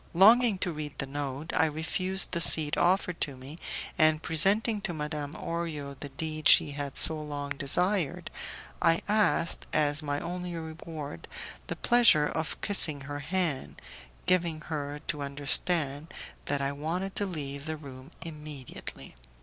Longing to read the note, I refused the seat offered to me, and presenting to Madame Orio the deed she had so long desired, I asked, as my only reward, the pleasure of kissing her hand, giving her to understand that I wanted to leave the room immediately.